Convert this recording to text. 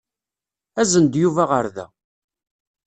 Azen-d Yuba ɣer da.